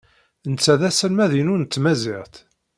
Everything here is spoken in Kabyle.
Netta d aselmad-inu n tmaziɣt.